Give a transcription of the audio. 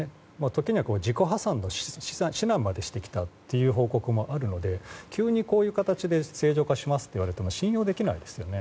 時には自己破産の指南までしてきたという報告もあるので急に、こういう形で正常化しますと言われても信用できませんよね。